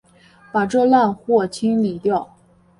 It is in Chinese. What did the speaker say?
把这烂货清理掉！